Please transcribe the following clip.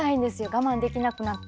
我慢できなくなって。